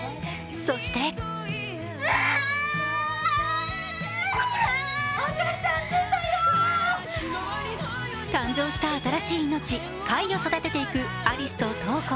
そして誕生した新しい命、海を育てていく有栖と瞳子。